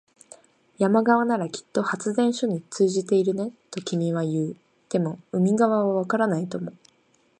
山側ならきっと発電所に通じているね、と君は言う。でも、海側はわからないとも。